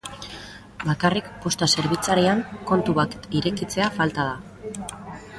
Bakarrik posta-zerbitzarian kontu bat irekitzea falta da.